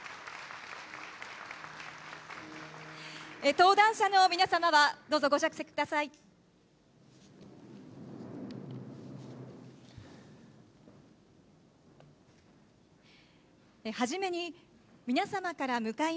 登壇者の皆様は、どうぞご着席ください。